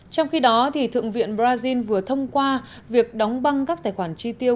trong khi đó thượng viện brazil vừa thông qua việc đóng băng các tài khoản tri tiêu